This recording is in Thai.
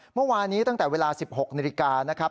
เมื่อวานี้ตั้งแต่เวลา๑๖นาฬิกานะครับ